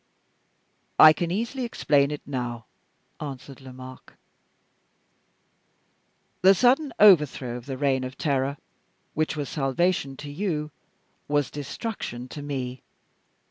"I can easily explain it now," answered Lomaque. "The sudden overthrow of the Reign of Terror, which was salvation to you, was destruction to me.